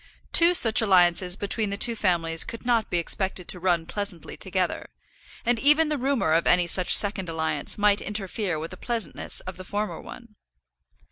Two such alliances between the two families could not be expected to run pleasantly together, and even the rumour of any such second alliance might interfere with the pleasantness of the former one.